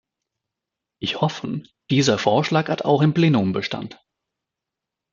Ich hoffe, dieser Vorschlag hat auch im Plenum Bestand.